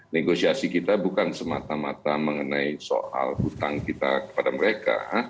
negosiasi kita bukan semata mata mengenai soal hutang kita kepada mereka